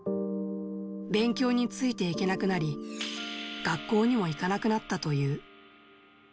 勉強についていけなくなり、学校にも行かなくなったという。